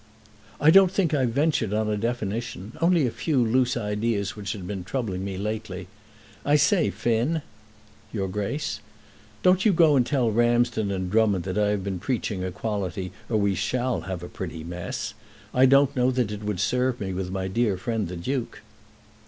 "I don't think I ventured on a definition; only a few loose ideas which had been troubling me lately. I say, Finn!" "Your Grace?" "Don't you go and tell Ramsden and Drummond that I have been preaching equality, or we shall have a pretty mess. I don't know that it would serve me with my dear friend, the Duke."